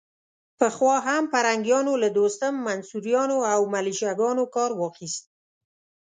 پخوا هم پرنګیانو له دوستم، منصوریانو او ملیشه ګانو کار واخيست.